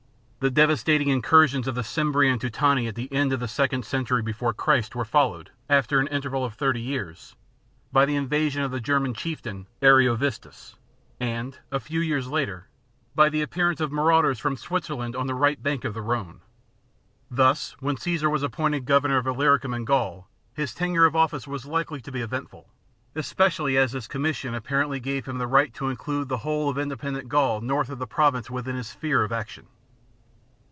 The devastating incursions of the Cimbri and Teutoni at the end of the second century before Christ were followed, after an interval of 71 B.C. thirty years, by the invasion of the German chief 60 B.C. tain, Ariovistus, and, a few years later, by the appearance of marauders from Switzerland on the right bank of the Rhdne. Thus when Caesar was appointed Governor of lUyricum and Gaul his tenure of office was likely to be eventful, especially as his commission apparently gave him the right to include the whole of independent Gaul north of the Province within his sphere of action.